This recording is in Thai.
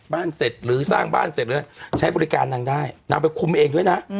เสร็จหรือสร้างบ้านเสร็จหรือใช้บริการนางได้นางไปคุมเองด้วยนะ